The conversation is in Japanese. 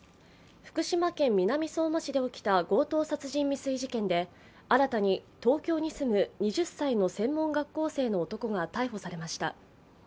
福島県南相馬市で起きた強盗殺人未遂事件で新たに東京に住む２０歳の専門学校生の男が逮捕されました。